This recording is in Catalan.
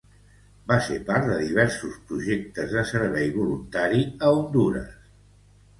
Va ser part de diversos projectes de servici voluntari a Hondures.